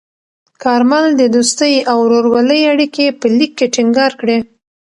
کارمل د دوستۍ او ورورولۍ اړیکې په لیک کې ټینګار کړې.